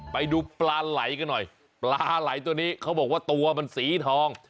ไปดูปลาไหลกันหน่อยปลาไหล่ตัวนี้เขาบอกว่าตัวมันสีทอง